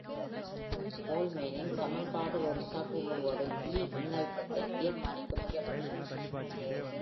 கோல்ட்மேனின் சமன்பாடு ஒரு சவ்வு முழுவதும் "இ" மின்னழுத்தத்தை தீர்மானிக்க முயல்கிறது.